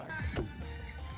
tidak ada yang bisa diangkat